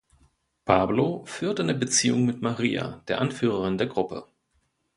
Pablo führt eine Beziehung mit Maria, der Anführerin der Gruppe.